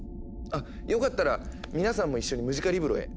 あっよかったら皆さんも一緒にムジカリブロへ。